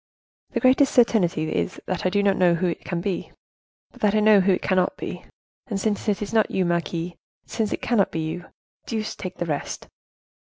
The greatest certainty is, that I do not know who it can be, but that I know who it cannot be. And since it is not you, marquise, since it cannot be you, deuce take the rest!"